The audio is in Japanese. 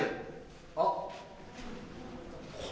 あっ。